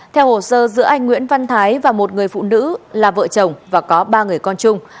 theo hồ sơ giữa anh nguyễn văn thái và một người phụ nữ là vợ chồng và có ba người con chung